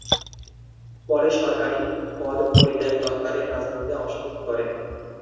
পরে সরকারি পদ পরিত্যাগ তৎকালীন রাজনীতিতে অংশগ্রহণ করেন।